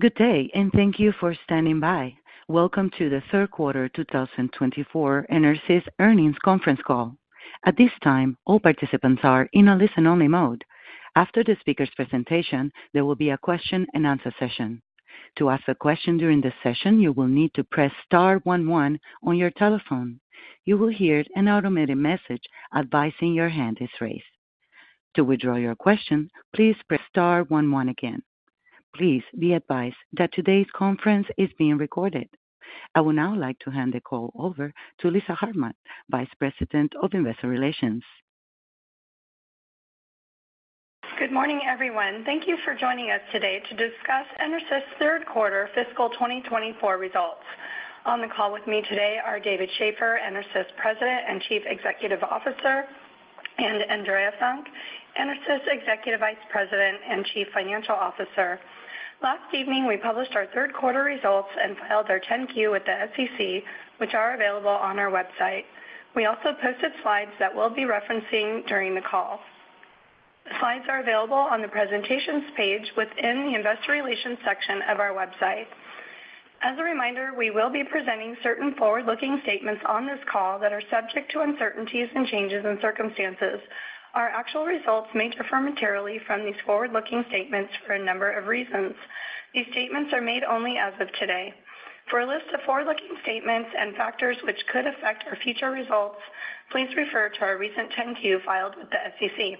Good day, and thank you for standing by. Welcome to the third quarter 2024 EnerSys Earnings Conference Call. At this time, all participants are in a listen-only mode. After the speaker's presentation, there will be a question-and-answer session. To ask a question during this session, you will need to press star one one on your telephone. You will hear an automated message advising your hand is raised. To withdraw your question, please press star one one again. Please be advised that today's conference is being recorded. I would now like to hand the call over to Lisa Hartman, Vice President of Investor Relations. Good morning, everyone. Thank you for joining us today to discuss EnerSys's third quarter fiscal 2024 results. On the call with me today are David Shaffer, EnerSys President and Chief Executive Officer, and Andrea Funk, EnerSys Executive Vice President and Chief Financial Officer. Last evening, we published our third quarter results and filed our 10-Q with the SEC, which are available on our website. We also posted slides that we'll be referencing during the call. The slides are available on the Presentations page within the Investor Relations section of our website. As a reminder, we will be presenting certain forward-looking statements on this call that are subject to uncertainties and changes in circumstances. Our actual results may differ materially from these forward-looking statements for a number of reasons. These statements are made only as of today. For a list of forward-looking statements and factors which could affect our future results, please refer to our recent 10-Q filed with the SEC.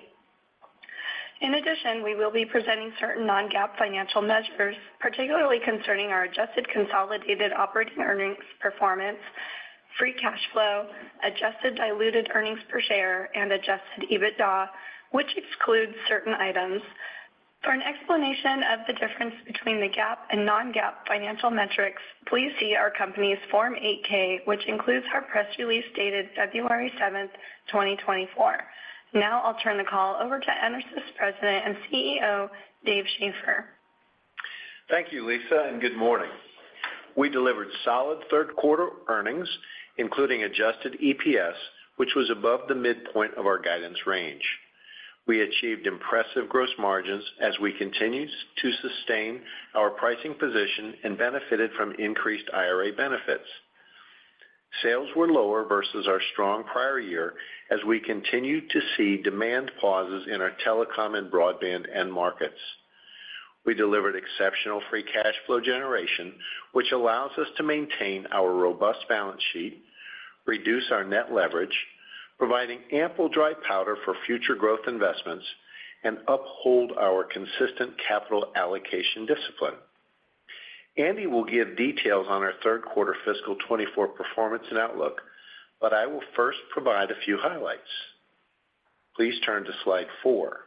In addition, we will be presenting certain non-GAAP financial measures, particularly concerning our adjusted consolidated operating earnings performance, free cash flow, adjusted diluted earnings per share, and Adjusted EBITDA, which excludes certain items. For an explanation of the difference between the GAAP and non-GAAP financial metrics, please see our company's Form 8-K, which includes our press release dated February 7, 2024. Now I'll turn the call over to EnerSys President and CEO, Dave Shaffer. Thank you, Lisa, and good morning. We delivered solid third quarter earnings, including adjusted EPS, which was above the midpoint of our guidance range. We achieved impressive gross margins as we continued to sustain our pricing position and benefited from increased IRA benefits. Sales were lower versus our strong prior year as we continued to see demand pauses in our telecom and broadband end markets. We delivered exceptional free cash flow generation, which allows us to maintain our robust balance sheet, reduce our net leverage, providing ample dry powder for future growth investments, and uphold our consistent capital allocation discipline. Andi will give details on our third quarter fiscal 2024 performance and outlook, but I will first provide a few highlights. Please turn to slide four.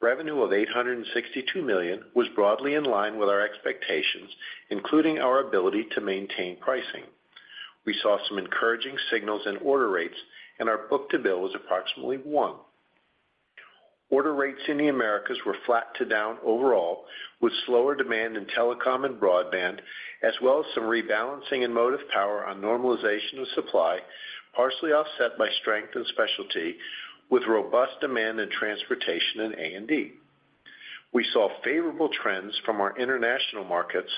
Revenue of $862 million was broadly in line with our expectations, including our ability to maintain pricing. We saw some encouraging signals in order rates, and our book-to-bill was approximately 1. Order rates in the Americas were flat to down overall, with slower demand in telecom and broadband, as well as some rebalancing in motive power on normalization of supply, partially offset by strength and specialty, with robust demand in transportation and A&D. We saw favorable trends from our international markets,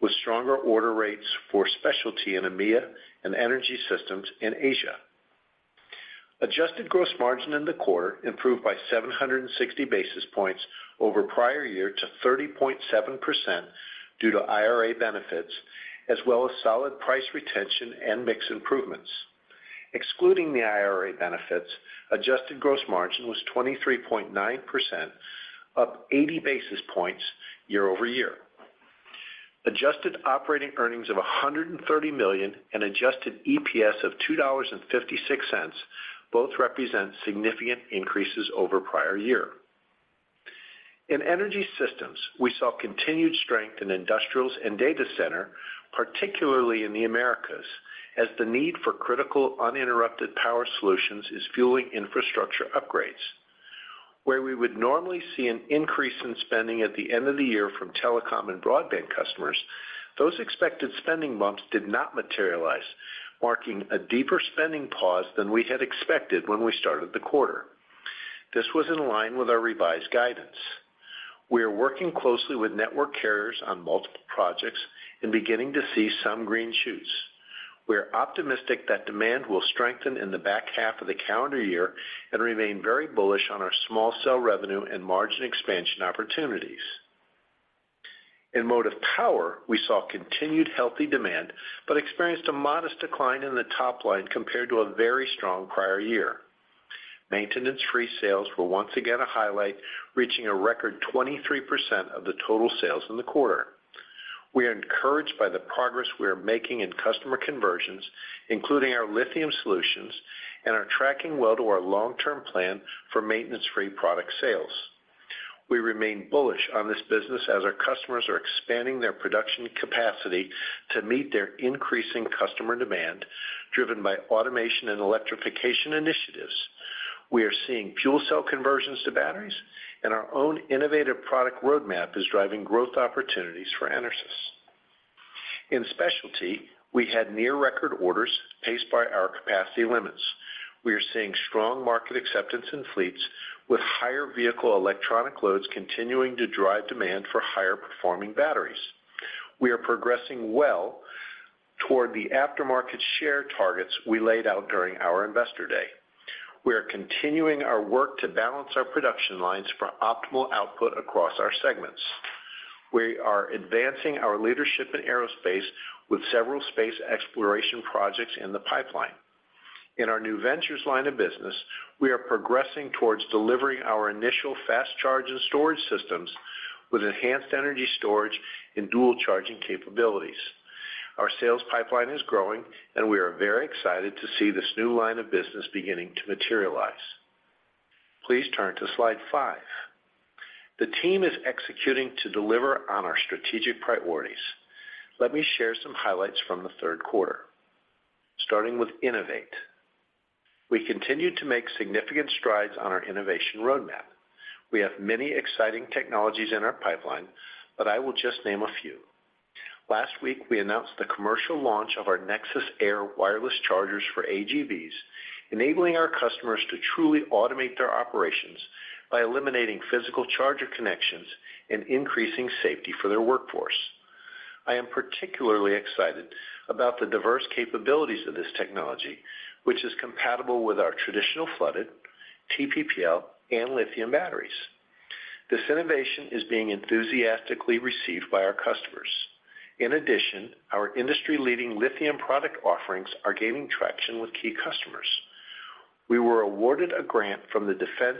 with stronger order rates for specialty in EMEA and energy systems in Asia. Adjusted gross margin in the quarter improved by 760 basis points over prior year to 30.7% due to IRA benefits, as well as solid price retention and mix improvements. Excluding the IRA benefits, adjusted gross margin was 23.9%, up 80 basis points year-over-year. Adjusted operating earnings of $130 million and adjusted EPS of $2.56 both represent significant increases over prior year. In energy systems, we saw continued strength in industrials and data center, particularly in the Americas, as the need for critical, uninterrupted power solutions is fueling infrastructure upgrades. Where we would normally see an increase in spending at the end of the year from telecom and broadband customers, those expected spending bumps did not materialize, marking a deeper spending pause than we had expected when we started the quarter. This was in line with our revised guidance. We are working closely with network carriers on multiple projects and beginning to see some green shoots. We are optimistic that demand will strengthen in the back half of the calendar year and remain very bullish on our small cell revenue and margin expansion opportunities. In motive power, we saw continued healthy demand, but experienced a modest decline in the top line compared to a very strong prior year. Maintenance-free sales were once again a highlight, reaching a record 23% of the total sales in the quarter. We are encouraged by the progress we are making in customer conversions, including our lithium solutions, and are tracking well to our long-term plan for maintenance-free product sales. We remain bullish on this business as our customers are expanding their production capacity to meet their increasing customer demand, driven by automation and electrification initiatives. We are seeing fuel cell conversions to batteries, and our own innovative product roadmap is driving growth opportunities for EnerSys.... In specialty, we had near-record orders paced by our capacity limits. We are seeing strong market acceptance in fleets, with higher vehicle electronic loads continuing to drive demand for higher-performing batteries. We are progressing well toward the aftermarket share targets we laid out during our Investor Day. We are continuing our work to balance our production lines for optimal output across our segments. We are advancing our leadership in aerospace with several space exploration projects in the pipeline. In our new ventures line of business, we are progressing towards delivering our initial fast charge and storage systems with enhanced energy storage and dual charging capabilities. Our sales pipeline is growing, and we are very excited to see this new line of business beginning to materialize. Please turn to slide five. The team is executing to deliver on our strategic priorities. Let me share some highlights from the third quarter. Starting with innovate, we continued to make significant strides on our innovation roadmap. We have many exciting technologies in our pipeline, but I will just name a few. Last week, we announced the commercial launch of our NexSys AIR wireless chargers for AGVs, enabling our customers to truly automate their operations by eliminating physical charger connections and increasing safety for their workforce. I am particularly excited about the diverse capabilities of this technology, which is compatible with our traditional flooded, TPPL, and lithium batteries. This innovation is being enthusiastically received by our customers. In addition, our industry-leading lithium product offerings are gaining traction with key customers. We were awarded a grant from the Defense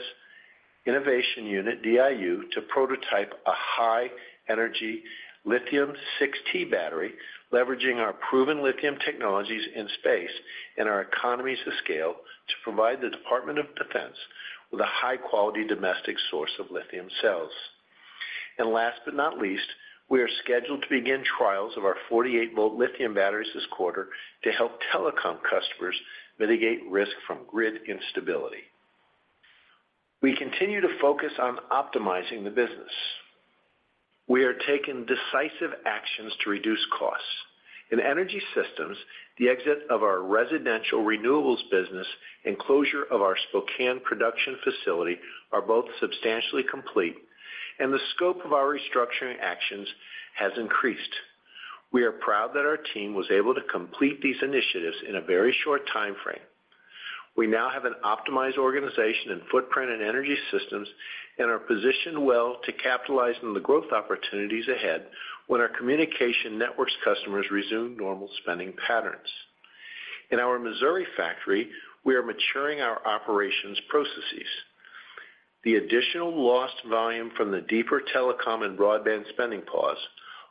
Innovation Unit, DIU, to prototype a high-energy lithium 6T battery, leveraging our proven lithium technologies in space and our economies of scale to provide the Department of Defense with a high-quality domestic source of lithium cells. Last but not least, we are scheduled to begin trials of our 48-volt lithium batteries this quarter to help telecom customers mitigate risk from grid instability. We continue to focus on optimizing the business. We are taking decisive actions to reduce costs. In energy systems, the exit of our residential renewables business and closure of our Spokane production facility are both substantially complete, and the scope of our restructuring actions has increased. We are proud that our team was able to complete these initiatives in a very short time frame. We now have an optimized organization and footprint in energy systems and are positioned well to capitalize on the growth opportunities ahead when our communication networks customers resume normal spending patterns. In our Missouri factory, we are maturing our operations processes. The additional lost volume from the deeper telecom and broadband spending pause,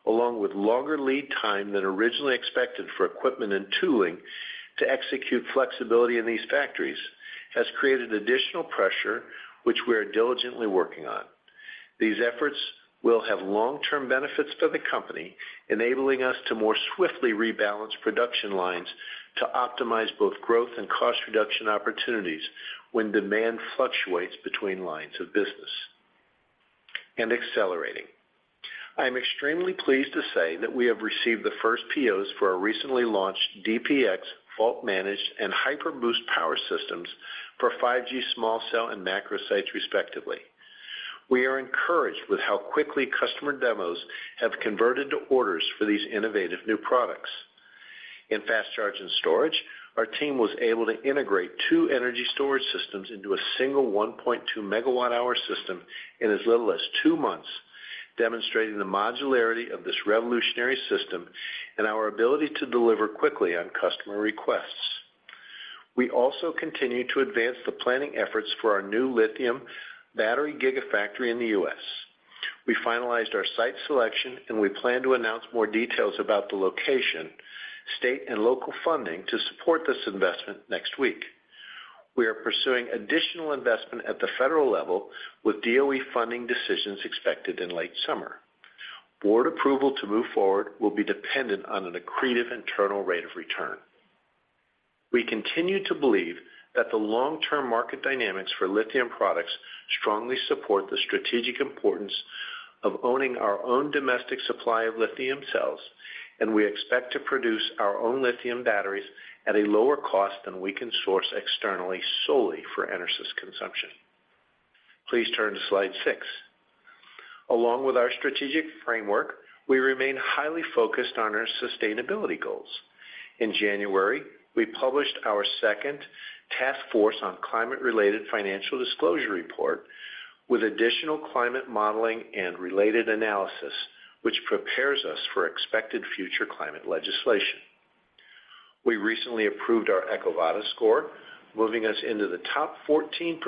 along with longer lead time than originally expected for equipment and tooling to execute flexibility in these factories, has created additional pressure, which we are diligently working on. These efforts will have long-term benefits for the company, enabling us to more swiftly rebalance production lines to optimize both growth and cost reduction opportunities when demand fluctuates between lines of business. I am extremely pleased to say that we have received the first POs for our recently launched DPX fault-managed and HyperBoost power systems for 5G small cell and macro sites, respectively. We are encouraged with how quickly customer demos have converted to orders for these innovative new products. In fast charge and storage, our team was able to integrate two energy storage systems into a single 1.2 MWh system in as little as two months, demonstrating the modularity of this revolutionary system and our ability to deliver quickly on customer requests. We also continue to advance the planning efforts for our new lithium battery gigafactory in the U.S. We finalized our site selection, and we plan to announce more details about the location, state, and local funding to support this investment next week. We are pursuing additional investment at the federal level, with DOE funding decisions expected in late summer. Board approval to move forward will be dependent on an accretive internal rate of return. We continue to believe that the long-term market dynamics for lithium products strongly support the strategic importance of owning our own domestic supply of lithium cells, and we expect to produce our own lithium batteries at a lower cost than we can source externally solely for EnerSys consumption. Please turn to slide six. Along with our strategic framework, we remain highly focused on our sustainability goals. In January, we published our second Task Force on Climate-Related Financial Disclosures report with additional climate modeling and related analysis, which prepares us for expected future climate legislation. We recently approved our EcoVadis score, moving us into the top 14%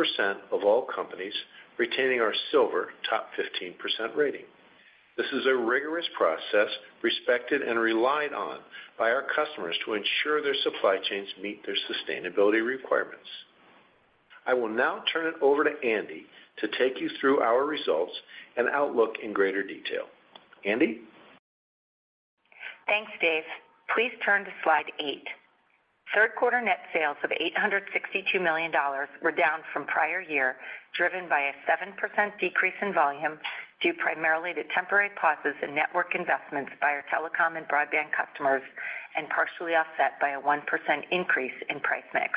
of all companies, retaining our silver top 15% rating. This is a rigorous process, respected and relied on by our customers to ensure their supply chains meet their sustainability requirements. I will now turn it over to Andi to take you through our results and outlook in greater detail. Andi? Thanks, Dave. Please turn to slide eight. Third quarter net sales of $862 million were down from prior year, driven by a 7% decrease in volume, due primarily to temporary pauses in network investments by our telecom and broadband customers, and partially offset by a 1% increase in price mix.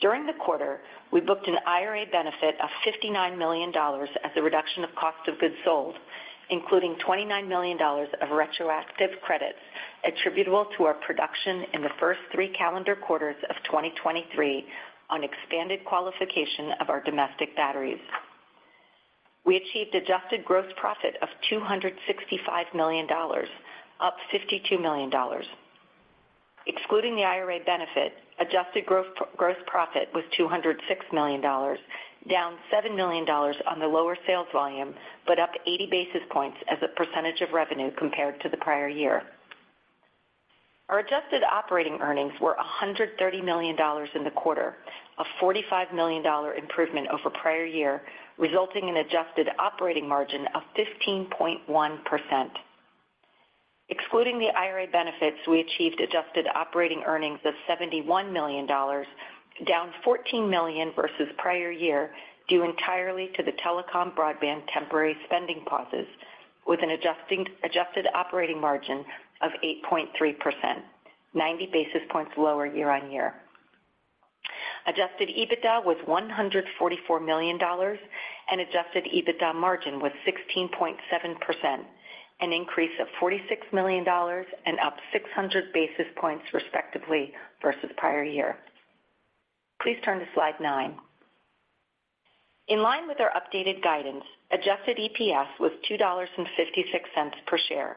During the quarter, we booked an IRA benefit of $59 million as a reduction of cost of goods sold, including $29 million of retroactive credits attributable to our production in the first three calendar quarters of 2023 on expanded qualification of our domestic batteries. We achieved adjusted gross profit of $265 million, up $52 million. Excluding the IRA benefit, adjusted gross profit was $206 million, down $7 million on the lower sales volume, but up 80 basis points as a percentage of revenue compared to the prior year. Our adjusted operating earnings were $130 million in the quarter, a $45 million improvement over prior year, resulting in adjusted operating margin of 15.1%. Excluding the IRA benefits, we achieved adjusted operating earnings of $71 million, down $14 million versus prior year, due entirely to the telecom broadband temporary spending pauses, with an adjusted operating margin of 8.3%, 90 basis points lower year-on-year. Adjusted EBITDA was $144 million, and adjusted EBITDA margin was 16.7%, an increase of $46 million and up 600 basis points, respectively, versus prior year. Please turn to Slide nine. In line with our updated guidance, adjusted EPS was $2.56 per share,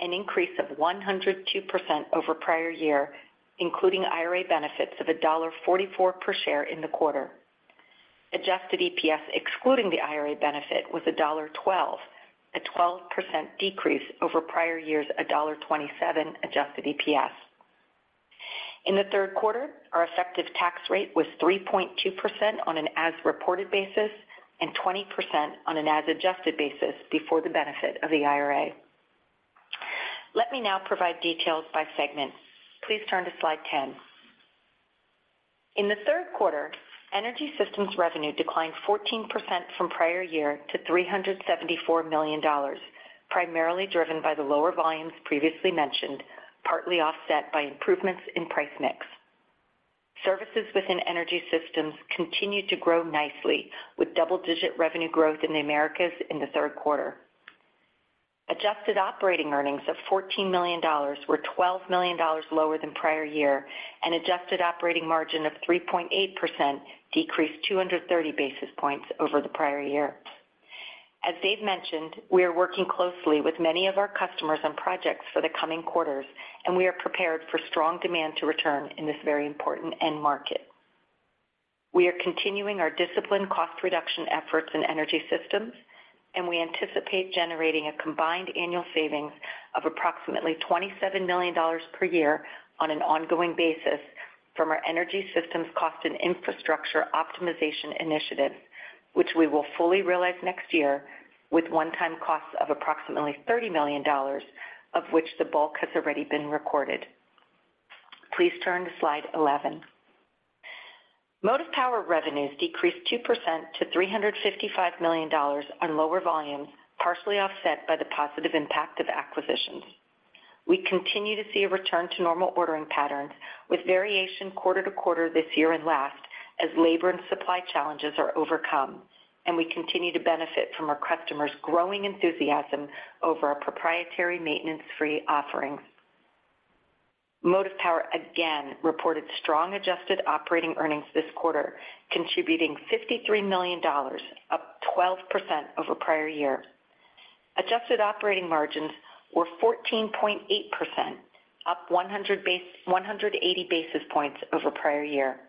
an increase of 102% over prior year, including IRA benefits of $1.44 per share in the quarter. Adjusted EPS, excluding the IRA benefit, was $1.12, a 12% decrease over prior years, $1.27 adjusted EPS. In the third quarter, our effective tax rate was 3.2% on an as-reported basis and 20% on an as-adjusted basis before the benefit of the IRA. Let me now provide details by segment. Please turn to Slide 10. In the third quarter, energy systems revenue declined 14% from prior year to $374 million, primarily driven by the lower volumes previously mentioned, partly offset by improvements in price mix. Services within energy systems continued to grow nicely, with double-digit revenue growth in the Americas in the third quarter. Adjusted operating earnings of $14 million were $12 million lower than prior year, and adjusted operating margin of 3.8% decreased 230 basis points over the prior year. As Dave mentioned, we are working closely with many of our customers on projects for the coming quarters, and we are prepared for strong demand to return in this very important end market. We are continuing our disciplined cost reduction efforts in energy systems, and we anticipate generating a combined annual savings of approximately $27 million per year on an ongoing basis from our energy systems cost and infrastructure optimization initiatives, which we will fully realize next year with one-time costs of approximately $30 million, of which the bulk has already been recorded. Please turn to Slide 11. Motive power revenues decreased 2% to $355 million on lower volumes, partially offset by the positive impact of acquisitions. We continue to see a return to normal ordering patterns, with variation quarter to quarter this year and last, as labor and supply challenges are overcome, and we continue to benefit from our customers' growing enthusiasm over our proprietary maintenance-free offerings. Motive power again reported strong adjusted operating earnings this quarter, contributing $53 million, up 12% over prior year. Adjusted operating margins were 14.8%, up 180 basis points over prior year.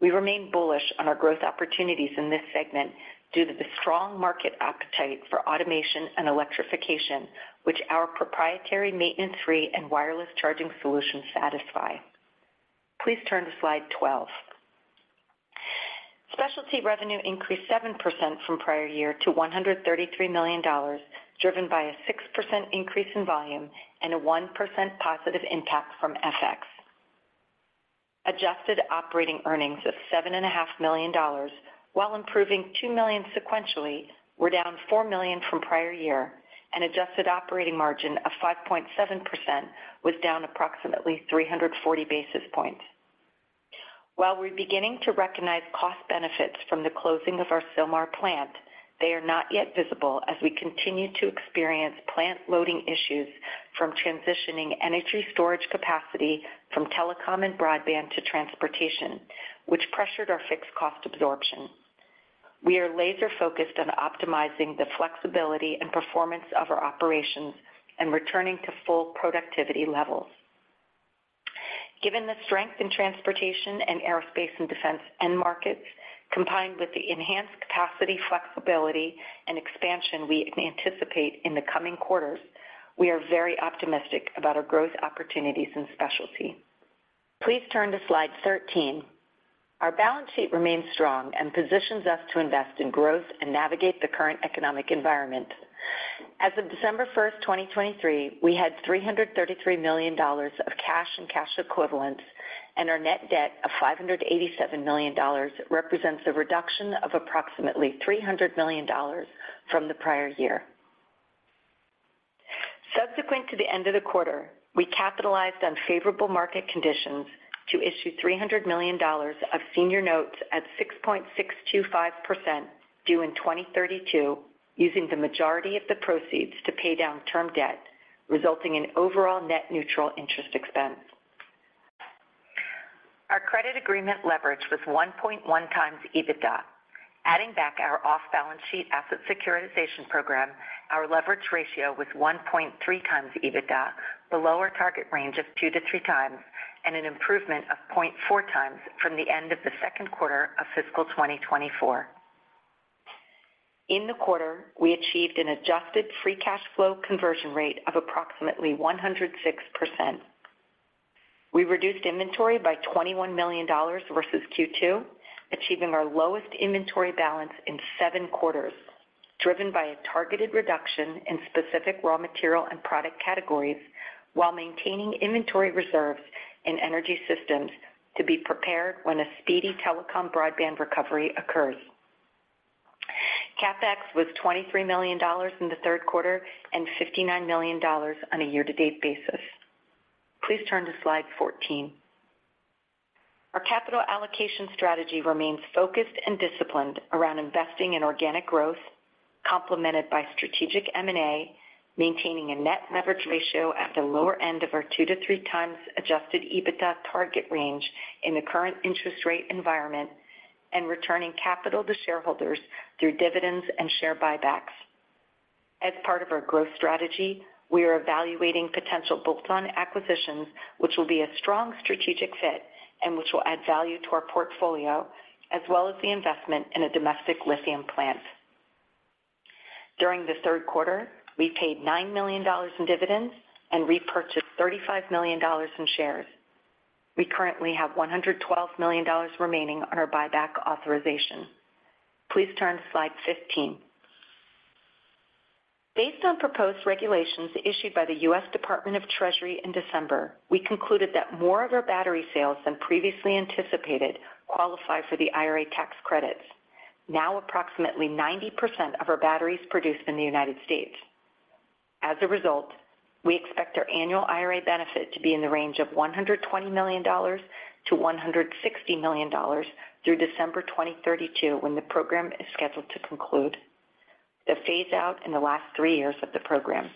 We remain bullish on our growth opportunities in this segment due to the strong market appetite for automation and electrification, which our proprietary maintenance-free and wireless charging solutions satisfy. Please turn to Slide 12. Specialty revenue increased 7% from prior year to $133 million, driven by a 6% increase in volume and a 1% positive impact from FX. Adjusted operating earnings of $7.5 million, while improving $2 million sequentially, were down $4 million from prior year, and adjusted operating margin of 5.7% was down approximately 340 basis points. While we're beginning to recognize cost benefits from the closing of our Sylmar plant, they are not yet visible as we continue to experience plant loading issues from transitioning energy storage capacity from telecom and broadband to transportation, which pressured our fixed cost absorption. We are laser-focused on optimizing the flexibility and performance of our operations and returning to full productivity levels. Given the strength in transportation and aerospace and defense end markets, combined with the enhanced capacity, flexibility and expansion we anticipate in the coming quarters, we are very optimistic about our growth opportunities in specialty. Please turn to Slide 13. Our balance sheet remains strong and positions us to invest in growth and navigate the current economic environment. As of December 1, 2023, we had $333 million of cash and cash equivalents, and our net debt of $587 million represents a reduction of approximately $300 million from the prior year. Subsequent to the end of the quarter, we capitalized on favorable market conditions to issue $300 million of senior notes at 6.625% due in 2032, using the majority of the proceeds to pay down term debt, resulting in overall net neutral interest expense. Our credit agreement leverage was 1.1 times EBITDA. Adding back our off-balance sheet asset securitization program, our leverage ratio was 1.3 times EBITDA, below our target range of two-three times, and an improvement of 0.4 times from the end of the second quarter of fiscal 2024. In the quarter, we achieved an adjusted free cash flow conversion rate of approximately 106%. We reduced inventory by $21 million versus Q2, achieving our lowest inventory balance in seven quarters, driven by a targeted reduction in specific raw material and product categories, while maintaining inventory reserves in energy systems to be prepared when a speedy telecom broadband recovery occurs. CapEx was $23 million in the third quarter and $59 million on a year-to-date basis. Please turn to Slide 14. Our capital allocation strategy remains focused and disciplined around investing in organic growth, complemented by strategic M&A, maintaining a net leverage ratio at the lower end of our two-three times adjusted EBITDA target range in the current interest rate environment, and returning capital to shareholders through dividends and share buybacks. As part of our growth strategy, we are evaluating potential bolt-on acquisitions, which will be a strong strategic fit and which will add value to our portfolio, as well as the investment in a domestic lithium plant. During the third quarter, we paid $9 million in dividends and repurchased $35 million in shares. We currently have $112 million remaining on our buyback authorization. Please turn to Slide 15. Based on proposed regulations issued by the US Department of Treasury in December, we concluded that more of our battery sales than previously anticipated qualify for the IRA tax credits, now approximately 90% of our batteries produced in the United States. As a result, we expect our annual IRA benefit to be in the range of $120 million-$160 million through December 2032, when the program is scheduled to conclude, the phase out in the last three years of the program.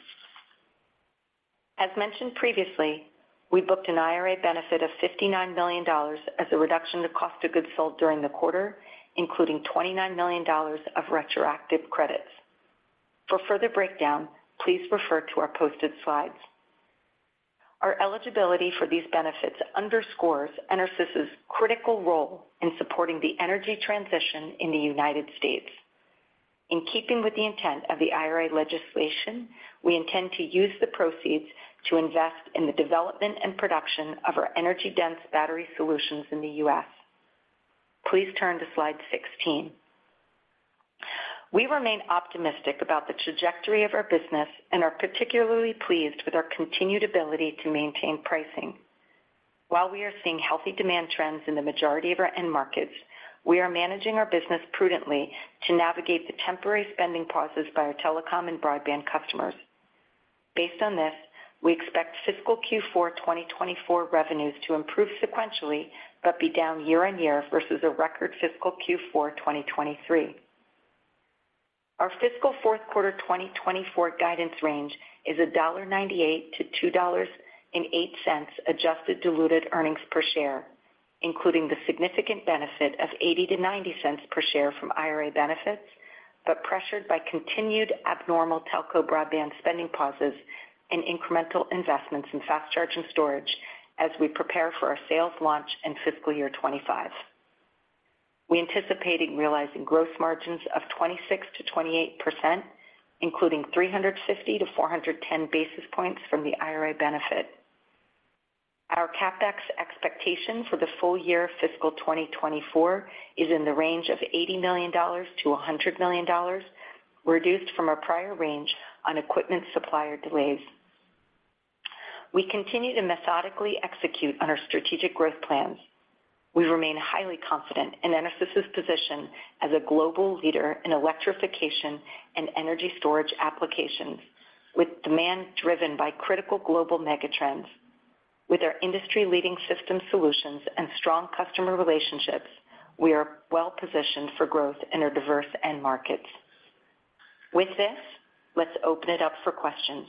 As mentioned previously, we booked an IRA benefit of $59 million as a reduction to cost of goods sold during the quarter, including $29 million of retroactive credits. For further breakdown, please refer to our posted slides. Our eligibility for these benefits underscores EnerSys' critical role in supporting the energy transition in the United States. In keeping with the intent of the IRA legislation, we intend to use the proceeds to invest in the development and production of our energy-dense battery solutions in the U.S. Please turn to Slide 16. We remain optimistic about the trajectory of our business and are particularly pleased with our continued ability to maintain pricing. While we are seeing healthy demand trends in the majority of our end markets, we are managing our business prudently to navigate the temporary spending pauses by our telecom and broadband customers. Based on this, we expect fiscal Q4 2024 revenues to improve sequentially, but be down year-on-year versus a record fiscal Q4 2023. Our fiscal fourth quarter 2024 guidance range is $1.98-$2.08 adjusted diluted earnings per share, including the significant benefit of 80-90 cents per share from IRA benefits, but pressured by continued abnormal telco broadband spending pauses and incremental investments in fast charge and storage as we prepare for our sales launch in fiscal year 2025. We anticipated realizing gross margins of 26%-28%, including 350-410 basis points from the IRA benefit. Our CapEx expectation for the full year fiscal 2024 is in the range of $80 million-$100 million, reduced from our prior range on equipment supplier delays. We continue to methodically execute on our strategic growth plans. We remain highly confident in EnerSys' position as a global leader in electrification and energy storage applications, with demand driven by critical global megatrends. With our industry-leading system solutions and strong customer relationships, we are well positioned for growth in our diverse end markets. With this, let's open it up for questions.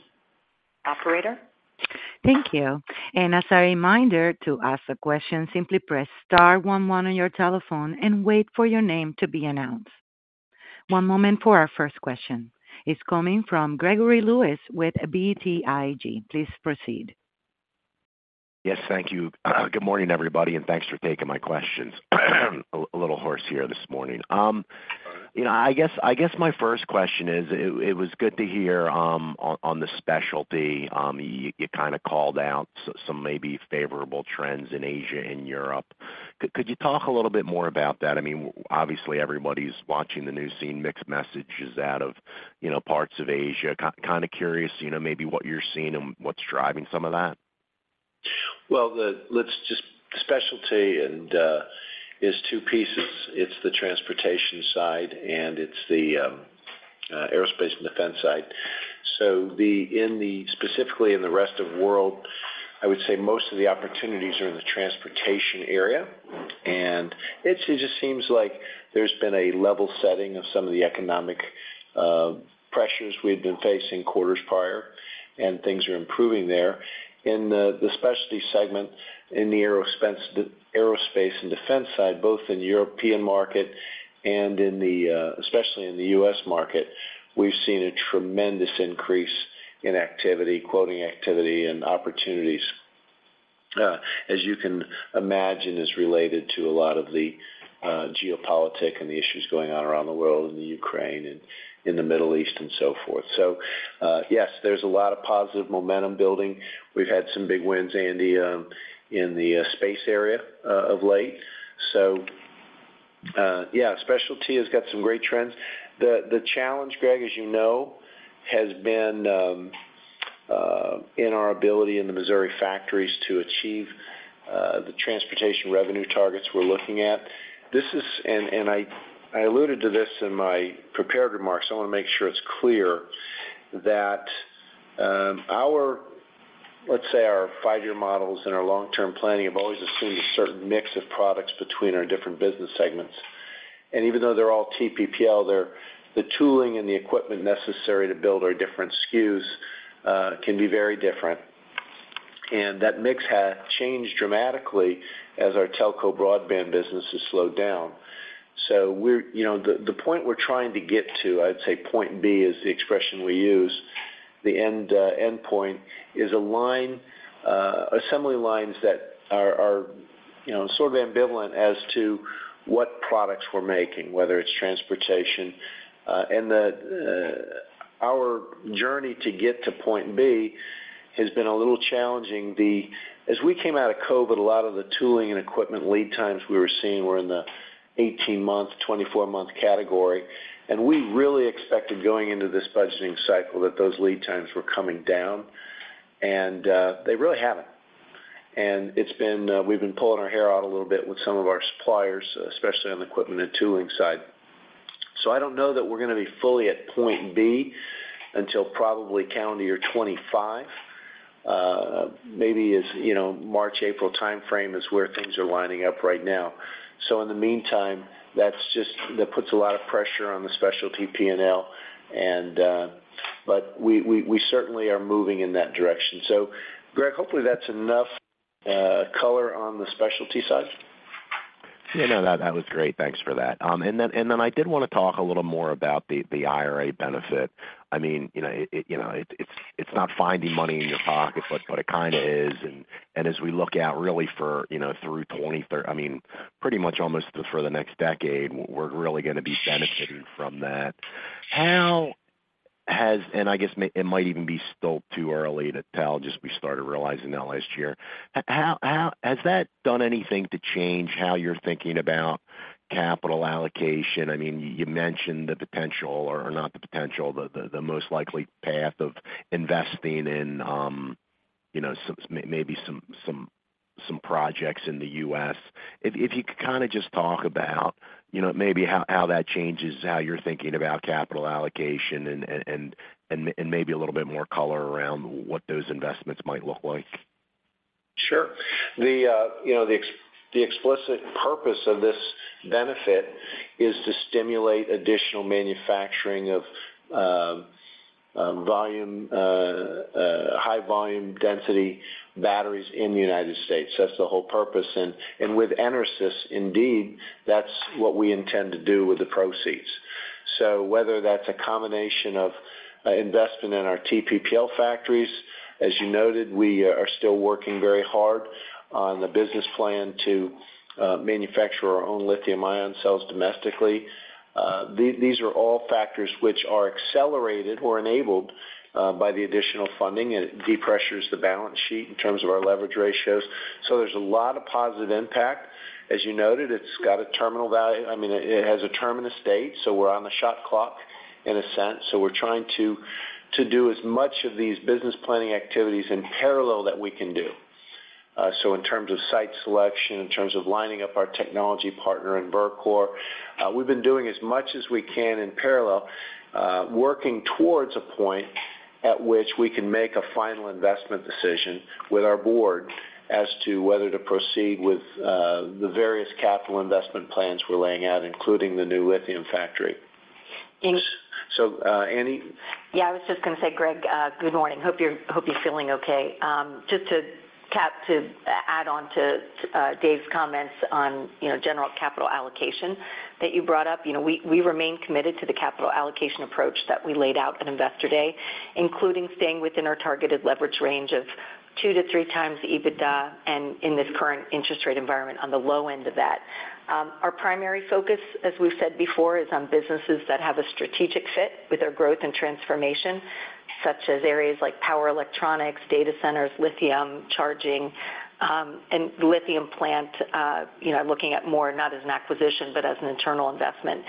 Operator? Thank you. And as a reminder, to ask a question, simply press star one one on your telephone and wait for your name to be announced. One moment for our first question. It's coming from Gregory Lewis with BTIG. Please proceed. Yes, thank you. Good morning, everybody, and thanks for taking my questions. A little hoarse here this morning. You know, I guess my first question is, it was good to hear on the specialty. You kind of called out some maybe favorable trends in Asia and Europe. Could you talk a little bit more about that? I mean, obviously, everybody's watching the news scene, mixed messages out of, you know, parts of Asia. Kind of curious, you know, maybe what you're seeing and what's driving some of that? Well, Specialty is two pieces. It's the transportation side, and it's the aerospace and defense side. So, specifically in the rest of world, I would say most of the opportunities are in the transportation area. And it just seems like there's been a level setting of some of the economic pressures we've been facing quarters prior, and things are improving there. In the Specialty segment, in the aerospace and defense side, both in the European market and especially in the US market, we've seen a tremendous increase in activity, quoting activity, and opportunities. As you can imagine, is related to a lot of the geopolitical and the issues going on around the world, in Ukraine and in the Middle East, and so forth. So, yes, there's a lot of positive momentum building. We've had some big wins, Andi, in the space area of late. So, yeah, Specialty has got some great trends. The challenge, Greg, as you know, has been in our ability in the Missouri factories to achieve the transportation revenue targets we're looking at. This is, and I alluded to this in my prepared remarks, I wanna make sure it's clear, that our, let's say, our five-year models and our long-term planning have always assumed a certain mix of products between our different business segments. And even though they're all TPPL, the tooling and the equipment necessary to build our different SKUs can be very different. And that mix has changed dramatically as our telco broadband business has slowed down. So we're, you know, the point we're trying to get to, I'd say, point B is the expression we use, the endpoint, is assembly lines that are, you know, sort of ambivalent as to what products we're making, whether it's transportation. Our journey to get to point B has been a little challenging. As we came out of COVID, a lot of the tooling and equipment lead times we were seeing were in the 18-month, 24-month category. And we really expected going into this budgeting cycle that those lead times were coming down, and they really haven't. And we've been pulling our hair out a little bit with some of our suppliers, especially on the equipment and tooling side. So I don't know that we're gonna be fully at point B until probably calendar year 2025. Maybe, you know, March, April timeframe is where things are lining up right now. So in the meantime, that puts a lot of pressure on the Specialty P&L, and, but we certainly are moving in that direction. So Greg, hopefully, that's enough color on the Specialty side. Yeah, no, that was great. Thanks for that. And then I did want to talk a little more about the IRA benefit. I mean, you know, it, you know, it, it's not finding money in your pocket, but it kind of is. And as we look out really for, you know, through 2030—I mean, pretty much almost for the next decade—we're really gonna be benefiting from that. How has... And I guess it might even be still too early to tell, just we started realizing that last year. How has that done anything to change how you're thinking about capital allocation? I mean, you mentioned the potential, or not the potential, the most likely path of investing in, you know, some, maybe some projects in the U.S. If you could kind of just talk about, you know, maybe how that changes how you're thinking about capital allocation and maybe a little bit more color around what those investments might look like. Sure. You know, the explicit purpose of this benefit is to stimulate additional manufacturing of high volume density batteries in the United States. That's the whole purpose. And with EnerSys, indeed, that's what we intend to do with the proceeds. So whether that's a combination of investment in our TPPL factories, as you noted, we are still working very hard on the business plan to manufacture our own lithium-ion cells domestically. These are all factors which are accelerated or enabled by the additional funding, and it depressures the balance sheet in terms of our leverage ratios. So there's a lot of positive impact. As you noted, it's got a terminal value. I mean, it has a terminal state, so we're on the shot clock in a sense. We're trying to do as much of these business planning activities in parallel that we can do. So in terms of site selection, in terms of lining up our technology partner in Verkor, we've been doing as much as we can in parallel, working towards a point at which we can make a final investment decision with our board as to whether to proceed with the various capital investment plans we're laying out, including the new lithium factory. In- So, Andy? Yeah, I was just gonna say, Greg, good morning. Hope you're, hope you're feeling okay. Just to cap, to add on to, Dave's comments on, you know, general capital allocation that you brought up. You know, we, we remain committed to the capital allocation approach that we laid out at Investor Day, including staying within our targeted leverage range of two-three times the EBITDA, and in this current interest rate environment, on the low end of that. Our primary focus, as we've said before, is on businesses that have a strategic fit with our growth and transformation, such as areas like power electronics, data centers, lithium, charging, and the lithium plant, you know, looking at more, not as an acquisition, but as an internal investment.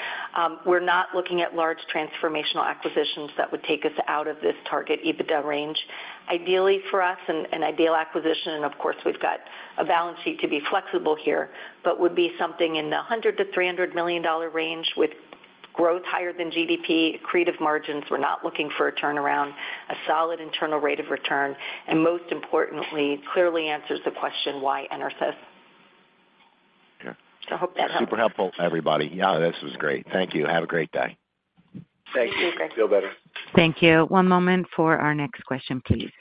We're not looking at large transformational acquisitions that would take us out of this target EBITDA range. Ideally for us, an ideal acquisition, and of course, we've got a balance sheet to be flexible here, but would be something in the $100 million-$300 million range with growth higher than GDP, accretive margins. We're not looking for a turnaround, a solid internal rate of return, and most importantly, clearly answers the question, why EnerSys? Sure. I hope that helps. Super helpful, everybody. Yeah, this was great. Thank you. Have a great day. Thank you. Thank you. Feel better. Thank you. One moment for our next question, please.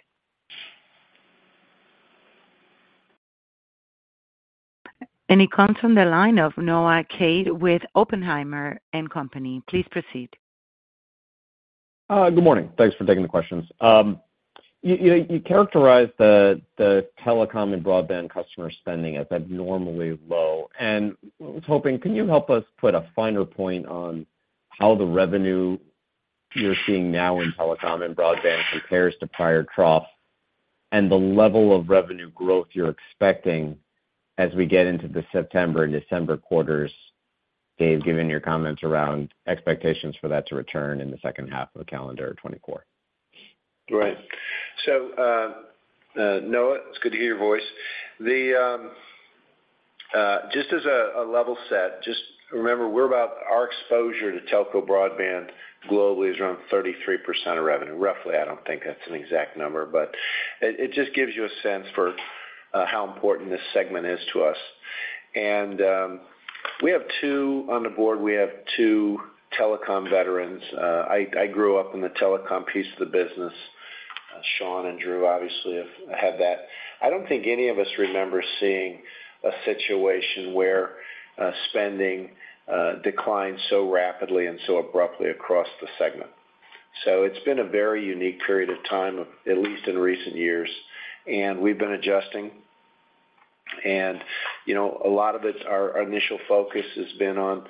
It comes from the line of Noah Kaye with Oppenheimer and Company. Please proceed. Good morning. Thanks for taking the questions. You characterized the telecom and broadband customer spending as abnormally low, and I was hoping, can you help us put a finer point on how the revenue you're seeing now in telecom and broadband compares to prior trough, and the level of revenue growth you're expecting as we get into the September and December quarters, Dave, given your comments around expectations for that to return in the second half of calendar 2024? Right. So, Noah, it's good to hear your voice. The, just as a, a level set, just remember, we're about our exposure to telco broadband globally is around 33% of revenue, roughly. I don't think that's an exact number, but it, it just gives you a sense for, how important this segment is to us. And, we have two on the board, we have two telecom veterans. I, I grew up in the telecom piece of the business. Shawn and Andrew, obviously, have, have that. I don't think any of us remember seeing a situation where, spending, declined so rapidly and so abruptly across the segment. So it's been a very unique period of time, at least in recent years, and we've been adjusting. You know, a lot of it, our initial focus has been on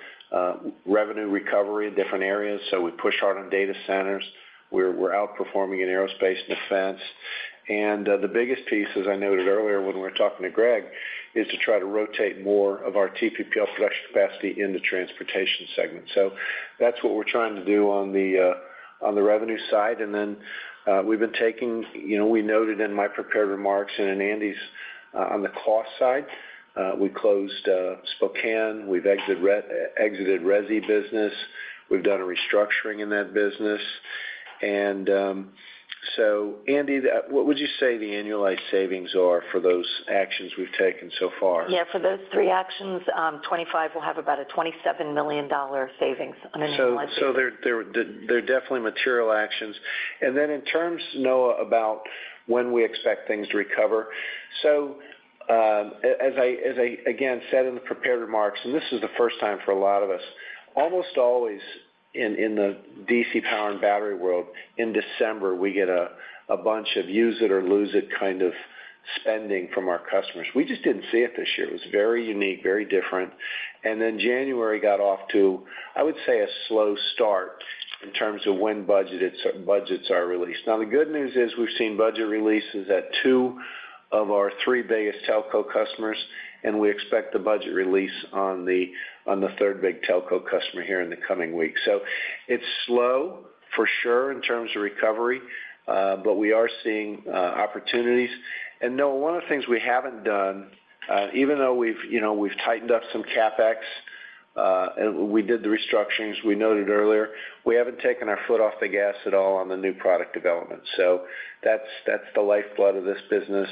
revenue recovery in different areas, so we push hard on data centers. We're outperforming in aerospace and defense. And, the biggest piece, as I noted earlier when we were talking to Greg, is to try to rotate more of our TPPL production capacity in the transportation segment. So that's what we're trying to do on the, on the revenue side. And then, we've been taking—you know, we noted in my prepared remarks and in Andy's, on the cost side, we closed Spokane, we've exited resi business. We've done a restructuring in that business. And, so Andy, what would you say the annualized savings are for those actions we've taken so far? Yeah, for those three actions, 25 will have about a $27 million savings on an annualized basis. So, they're definitely material actions. And then in terms, Noah, about when we expect things to recover. So, as I, again, said in the prepared remarks, and this is the first time for a lot of us, almost always in the DC power and battery world, in December, we get a bunch of use-it or lose-it kind of spending from our customers. We just didn't see it this year. It was very unique, very different. And then January got off to, I would say, a slow start in terms of when budgeted budgets are released. Now, the good news is we've seen budget releases at two of our three biggest telco customers, and we expect the budget release on the third big telco customer here in the coming weeks. So it's slow, for sure, in terms of recovery, but we are seeing opportunities. And Noah, one of the things we haven't done, even though we've, you know, we've tightened up some CapEx, and we did the restructurings we noted earlier, we haven't taken our foot off the gas at all on the new product development. So that's the lifeblood of this business,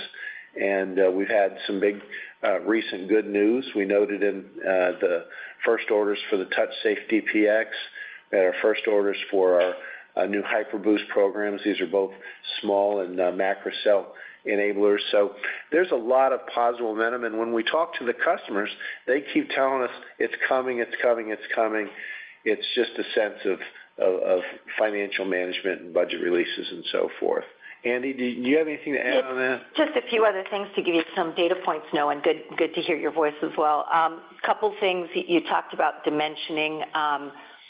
and we've had some big recent good news. We noted in the first orders for the touch-safe DPX and our first orders for our new HyperBoost programs. These are both small and macro cell enablers. So there's a lot of possible momentum, and when we talk to the customers, they keep telling us, "It's coming, it's coming, it's coming." It's just a sense of financial management and budget releases and so forth. Andy, do you have anything to add on that? Just a few other things to give you some data points, Noah, and good to hear your voice as well. A couple things. You talked about dimensioning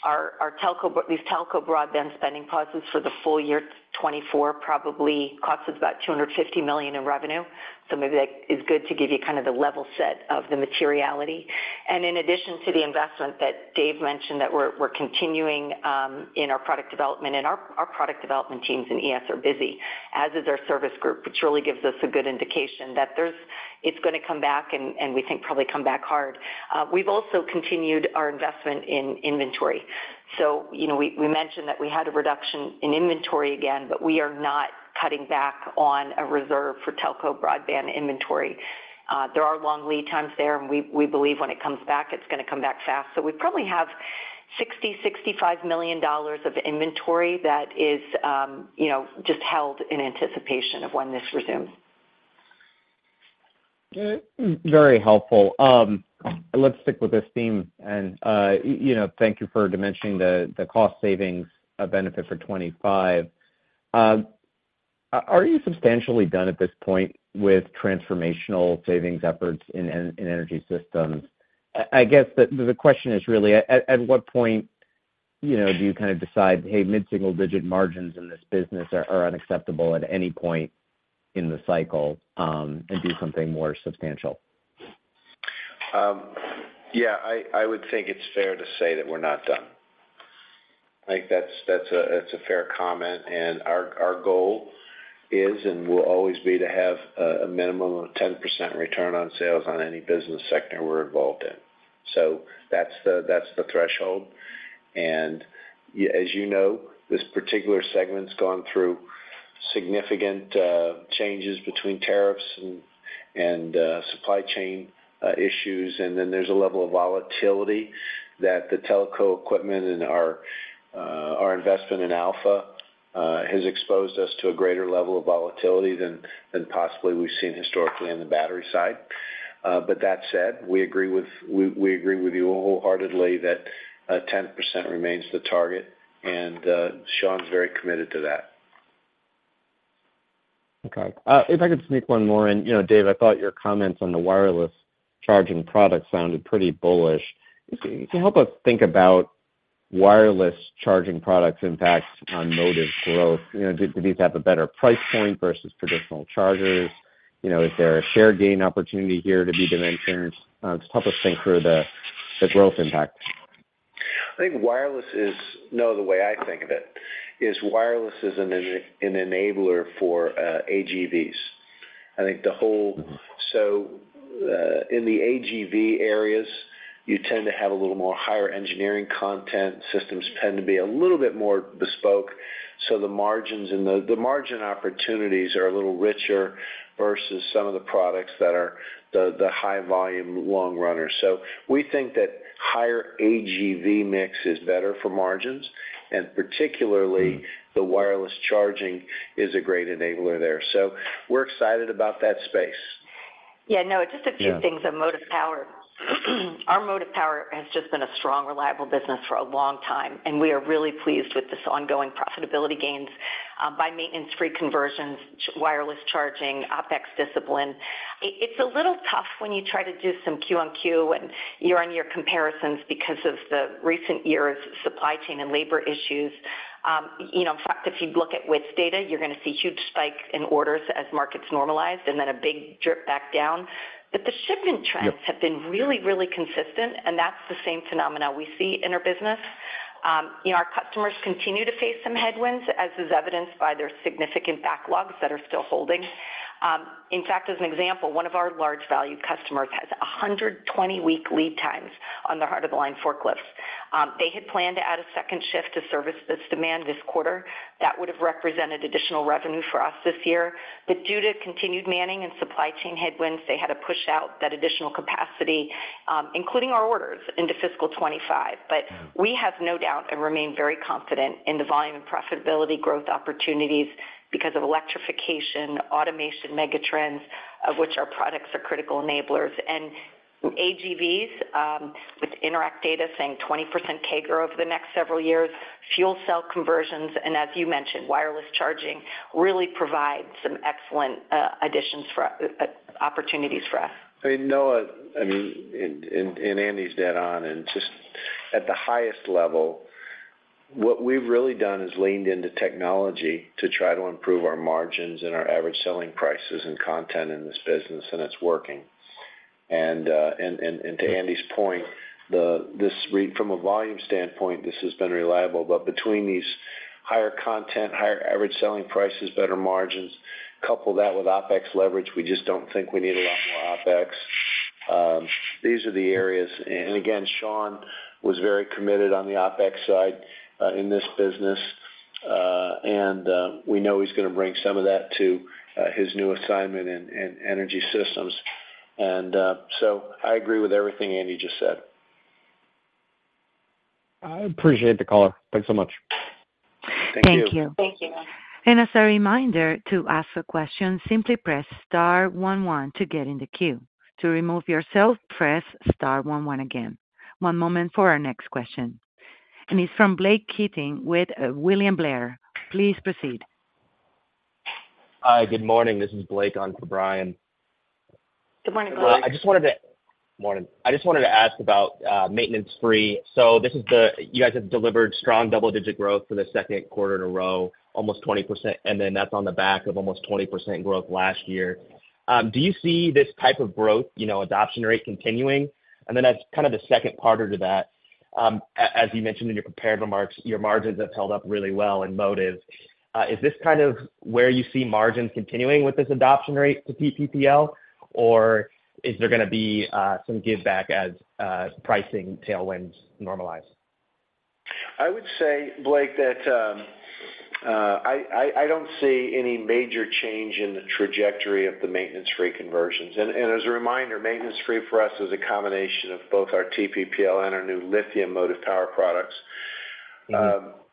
our telco broadband spending pauses for the full year 2024, probably costs us about $250 million in revenue. So maybe that is good to give you kind of the level set of the materiality. In addition to the investment that Dave mentioned, that we're continuing in our product development, and our product development teams in ES are busy, as is our service group, which really gives us a good indication that it's gonna come back and we think probably come back hard. We've also continued our investment in inventory. So you know, we mentioned that we had a reduction in inventory again, but we are not cutting back on a reserve for telco broadband inventory. There are long lead times there, and we believe when it comes back, it's gonna come back fast. So we probably have $60-$65 million of inventory that is, you know, just held in anticipation of when this resumes. Very helpful. Let's stick with this theme and, you know, thank you for dimensioning the cost savings benefit for 2025. Are you substantially done at this point with transformational savings efforts in Energy Systems? I guess the question is really, at what point, you know, do you kind of decide, "Hey, mid-single-digit margins in this business are unacceptable at any point in the cycle, and do something more substantial? .Yeah, I, I would think it's fair to say that we're not done. I think that's, that's a, that's a fair comment, and our, our goal is and will always be to have a minimum of 10% return on sales on any business sector we're involved in. So that's the, that's the threshold. And as you know, this particular segment's gone through significant changes between tariffs and, and, supply chain issues. And then there's a level of volatility that the telco equipment and our, our investment in Alpha has exposed us to a greater level of volatility than, than possibly we've seen historically on the battery side. But that said, we agree with—we, we agree with you wholeheartedly that 10% remains the target, and Shawn's very committed to that. Okay. If I could sneak one more in. You know, Dave, I thought your comments on the wireless charging product sounded pretty bullish. So help us think about wireless charging products' impact on motive growth. You know, do these have a better price point versus traditional chargers? You know, is there a share gain opportunity here to be dimensions? Just help us think through the growth impact. I think wireless is... No, the way I think of it, is wireless is an enabler for AGVs. I think so, in the AGV areas, you tend to have a little more higher engineering content. Systems tend to be a little bit more bespoke, so the margins and the margin opportunities are a little richer versus some of the products that are the high volume long runners. So we think that higher AGV mix is better for margins, and particularly, the wireless charging is a great enabler there. So we're excited about that space. Yeah, no, just a few things on motive power. Our motive power has just been a strong, reliable business for a long time, and we are really pleased with this ongoing profitability gains by maintenance-free conversions, wireless charging, OpEx discipline. It's a little tough when you try to do some Q-on-Q, and year-on-year comparisons because of the recent years' supply chain and labor issues. You know, in fact, if you look at WITS data, you're gonna see huge spikes in orders as markets normalized, and then a big drip back down. But the shipment trends- Yep. Have been really, really consistent, and that's the same phenomena we see in our business. You know, our customers continue to face some headwinds, as is evidenced by their significant backlogs that are still holding. In fact, as an example, one of our large valued customers has a 120-week lead times on their heart-of-the-line forklifts. They had planned to add a second shift to service this demand this quarter. That would have represented additional revenue for us this year. But due to continued manning and supply chain headwinds, they had to push out that additional capacity, including our orders, into fiscal 2025. Mm. We have no doubt and remain very confident in the volume and profitability growth opportunities because of electrification, automation, mega trends, of which our products are critical enablers. AGVs, with Interact data saying 20% CAGR over the next several years, fuel cell conversions, and as you mentioned, wireless charging, really provide some excellent additions for opportunities for us. I mean, Noah, Andy's dead on, and just at the highest level, what we've really done is leaned into technology to try to improve our margins and our average selling prices and content in this business, and it's working. And to Andy's point, from a volume standpoint, this has been reliable, but between these higher content, higher average selling prices, better margins, couple that with OpEx leverage, we just don't think we need a lot more OpEx. These are the areas. And again, Sean was very committed on the OpEx side in this business, and we know he's gonna bring some of that to his new assignment in energy systems. And so I agree with everything Andy just said. I appreciate the call. Thanks so much. Thank you. Thank you. As a reminder, to ask a question, simply press star one one to get in the queue. To remove yourself, press star one one again. One moment for our next question, and it's from Blake Keating with William Blair. Please proceed. Hi, good morning. This is Blake on for Brian. Good morning, Blake. Morning. I just wanted to ask about maintenance-free. So this is the... You guys have delivered strong double-digit growth for the second quarter in a row, almost 20%, and then that's on the back of almost 20% growth last year. Do you see this type of growth, you know, adoption rate continuing? And then as kind of the second part to that, as you mentioned in your prepared remarks, your margins have held up really well in motive. Is this kind of where you see margins continuing with this adoption rate to TPPL, or is there gonna be some giveback as pricing tailwinds normalize? I would say, Blake, that I don't see any major change in the trajectory of the maintenance-free conversions. And as a reminder, maintenance-free for us is a combination of both our TPPL and our new lithium motive power products.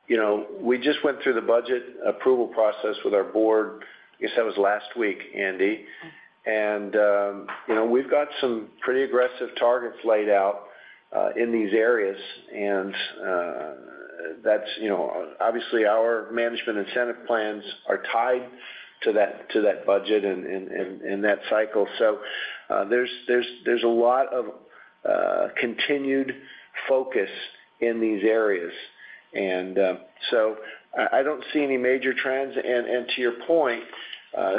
You know, we just went through the budget approval process with our board, I guess that was last week, Andy. And you know, we've got some pretty aggressive targets laid out in these areas, and that's, you know, obviously, our management incentive plans are tied to that budget and that cycle. So there's a continued focus in these areas. And so I don't see any major trends. And to your point,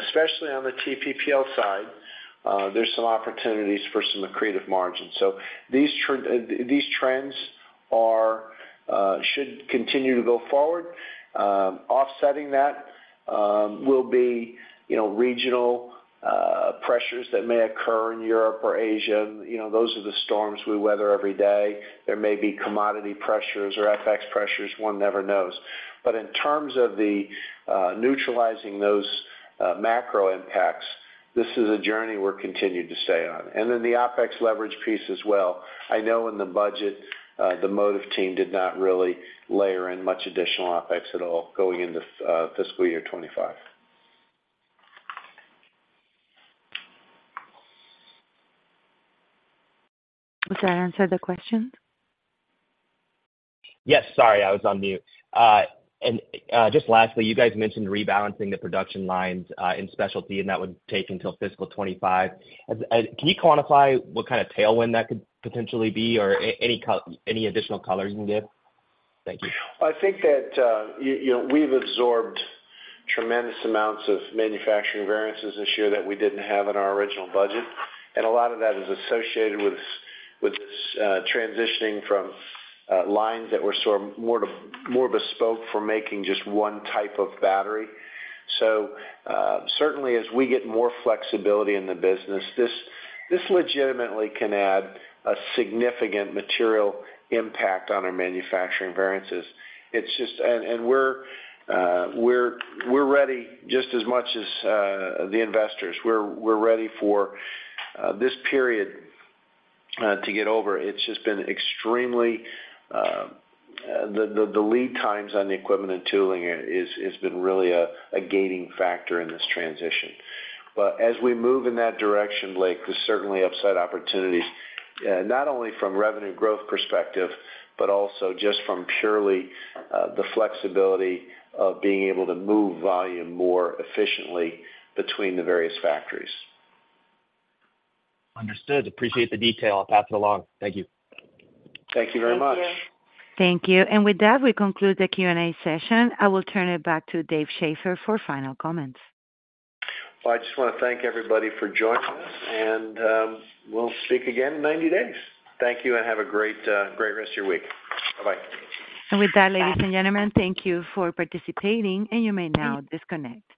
especially on the TPPL side, there's some opportunities for some accretive margins. So these trends should continue to go forward. Offsetting that will be, you know, regional pressures that may occur in Europe or Asia. You know, those are the storms we weather every day. There may be commodity pressures or FX pressures, one never knows. But in terms of neutralizing those macro impacts, this is a journey we're continued to stay on. And then the OpEx leverage piece as well. I know in the budget, the Motive team did not really layer in much additional OpEx at all going into fiscal year 2025. Does that answer the question? Yes, sorry, I was on mute. And just lastly, you guys mentioned rebalancing the production lines in specialty, and that would take until fiscal 25. Can you quantify what kind of tailwind that could potentially be or any additional color you can give? Thank you. I think that, you know, we've absorbed tremendous amounts of manufacturing variances this year that we didn't have in our original budget, and a lot of that is associated with this transitioning from lines that were sort of more bespoke for making just one type of battery. So, certainly, as we get more flexibility in the business, this legitimately can add a significant material impact on our manufacturing variances. It's just—and we're ready just as much as the investors. We're ready for this period to get over. It's just been extremely. The lead times on the equipment and tooling is been really a gating factor in this transition. As we move in that direction, Blake, there's certainly upside opportunities, not only from revenue growth perspective, but also just from purely, the flexibility of being able to move volume more efficiently between the various factories. Understood. Appreciate the detail. I'll pass it along. Thank you. Thank you very much. Thank you. And with that, we conclude the Q&A session. I will turn it back to Dave Shaffer for final comments. Well, I just wanna thank everybody for joining us, and we'll speak again in 90 days. Thank you, and have a great rest of your week. Bye-bye. With that, ladies and gentlemen, thank you for participating, and you may now disconnect.